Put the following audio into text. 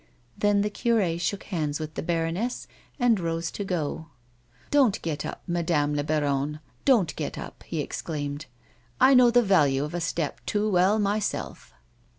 Then the cure shook bauds with the baroness, and rose to go " Don't get up, Madame la baronne, don't get up," lie exclaimed. " I know the value of a step too well myself."